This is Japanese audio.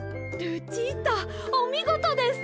ルチータおみごとです。